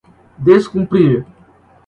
descumprir